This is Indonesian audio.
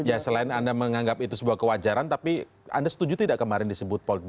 ya selain anda menganggap itu sebuah kewajaran tapi anda setuju tidak kemarin disebut